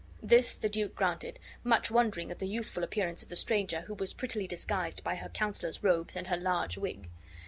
This the Duke granted, much wondering at the youthful appearance of the stranger, who was prettily disguised by her counselor's robes and her large wig.